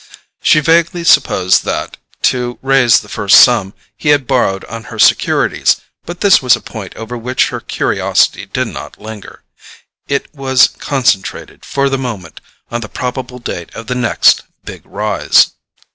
She vaguely supposed that, to raise the first sum, he had borrowed on her securities; but this was a point over which her curiosity did not linger. It was concentrated, for the moment, on the probable date of the next "big rise."